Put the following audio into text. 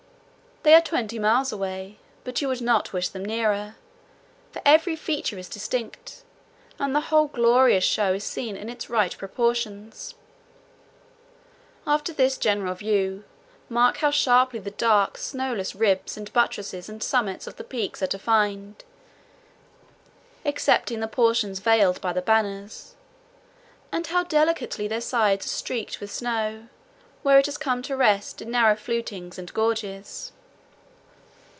They are twenty miles away, but you would not wish them nearer, for every feature is distinct, and the whole glorious show is seen in its right proportions. After this general view, mark how sharply the dark snowless ribs and buttresses and summits of the peaks are defined, excepting the portions veiled by the banners, and how delicately their sides are streaked with snow, where it has come to rest in narrow flutings and gorges.